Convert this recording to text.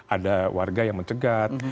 ada warga yang mencegat